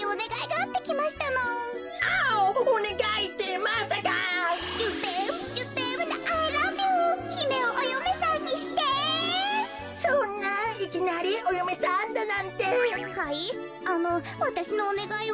あのわたしのおねがいは。